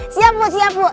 siap bu siap bu